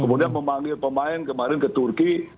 kemudian memanggil pemain kemarin ke turki